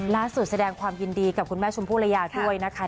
แสดงความยินดีกับคุณแม่ชมพู่ระยาด้วยนะคะ